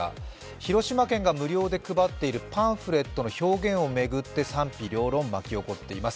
広島県が無料で配っているパンフレットの表現を巡って賛否両論巻き起こっています。